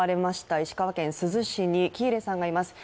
石川県珠洲市に喜入さんがいます。